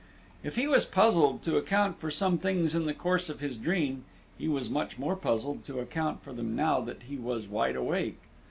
If he was puzzled to account for some things in the course of his dream, he was much more puzzled to account for them now that he was wide awake.